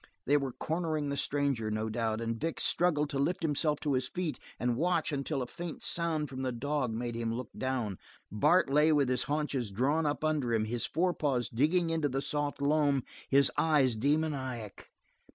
They were cornering the stranger, no doubt, and Vic struggled to lift himself to his feet and watch until a faint sound from the dog made him look down. Bart lay with his haunches drawn up under him, his forepaws digging into the soft loam, his eyes demoniac.